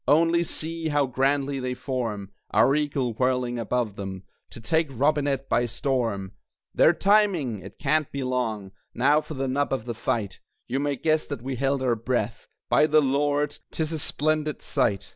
Only see how grandly they form (Our eagle whirling above them), To take Robinett by storm! They're timing! it can't be long Now for the nub of the fight! (You may guess that we held our breath.) By the Lord, 'tis a splendid sight!